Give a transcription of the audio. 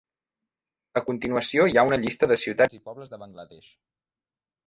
A continuació hi ha una llista de ciutats i pobles de Bangladesh.